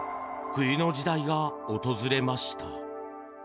冬の時代が訪れました。